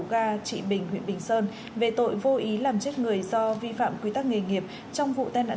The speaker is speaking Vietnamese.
ga trị bình huyện bình sơn về tội vô ý làm chết người do vi phạm quy tắc nghề nghiệp trong vụ tai nạn